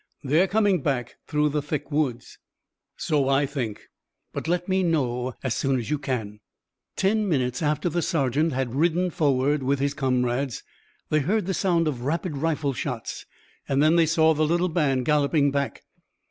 They're coming back through the thick woods." "So I think. But let me know as soon as you can." Ten minutes after the sergeant had ridden forward with his comrades they heard the sound of rapid rifle shots, and then they saw the little band galloping back.